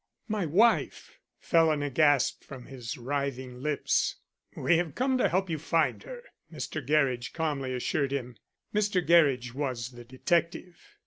"My wife," fell in a gasp from his writhing lips. "We have come to help you find her," Mr. Gerridge calmly assured him. Mr. Gerridge was the detective.